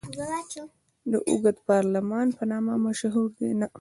د اوږد پارلمان په نامه مشهوره ده.